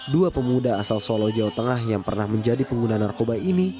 dua pemuda asal solo jawa tengah yang pernah menjadi pengguna narkoba ini